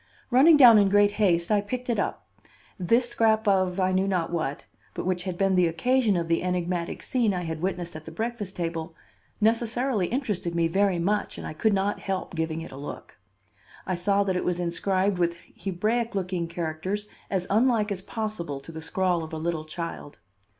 Running down in great haste, I picked it up. This scrap of I knew not what, but which had been the occasion of the enigmatic scene I had witnessed at the breakfast table, necessarily interested me very much and I could not help giving it a look. I saw that it was inscribed with Hebraic looking characters as unlike as possible to the scrawl of a little child.